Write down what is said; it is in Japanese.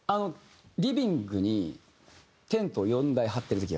リビングにテントを４台張ってる時があって。